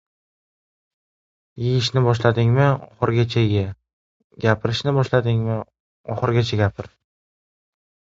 • Yeyishni boshladingmi ― oxirigacha ye, gapirishni boshladingmi ― oxirigacha gapir.